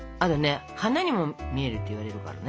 花にも見えるっていわれるからね。